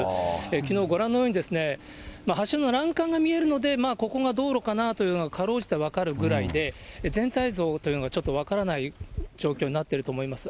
きのう、ご覧のように橋の欄干が見えるので、まあ、ここが道路かなというのがかろうじて分かるぐらいで、全体像というのがちょっと分からない状況になってると思います。